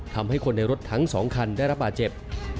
ทำให้คนในรถทั้ง๒คันได้รับบาดเจ็บ